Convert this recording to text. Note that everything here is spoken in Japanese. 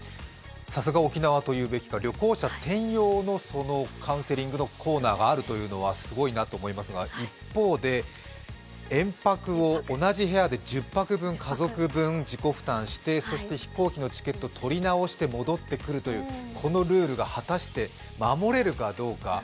さすが沖縄というべきか旅行者専用のカウンセリングのコーナーがあるというのはすごいなと思いますが一方で延泊を同じ部屋で１０泊分、家族分、自己負担してそして飛行機のチケット取り直して戻ってくるという、このルールが果たして守れるかどうか。